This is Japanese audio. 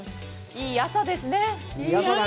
いい朝ですね。